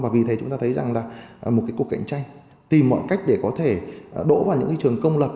và vì thế chúng ta thấy rằng là một cuộc cạnh tranh tìm mọi cách để có thể đổ vào những trường công lập